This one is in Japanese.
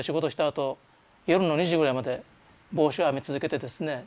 あと夜の２時ぐらいまで帽子を編み続けてですね